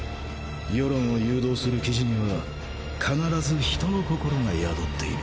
世論を誘導する記事には必ず人の心が宿っている。